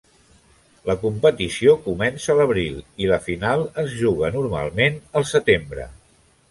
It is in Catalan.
La competició comença l'abril, i la final es juga normalment el setembre.